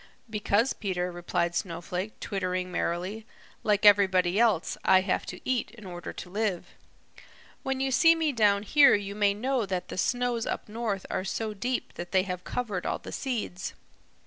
"Because, Peter," replied Snowflake, twittering merrily, "like everybody else, I have to eat in order to live. When you see me down here you may know that the snows up north are so deep that they have covered all the seeds.